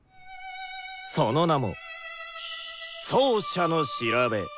その名も「奏者のしらべ」！